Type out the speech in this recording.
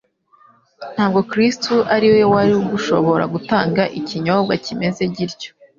Ntabwo Kristo ari we wari gushobora gutanga ikinyobwa kimeze gityo.